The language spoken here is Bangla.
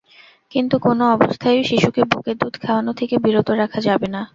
কিন্তু কোনো অবস্থায়ই শিশুকে বুকের দুধ খাওয়ানো থেকে বিরত রাখা যাবে না।